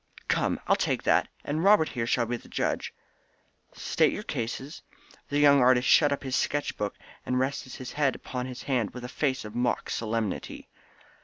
"Come, I'll take that, and Robert here shall be the judge." "State your cases." The young artist shut up his sketch book, and rested his head upon his hands with a face of mock solemnity.